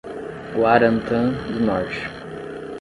Guarantã do Norte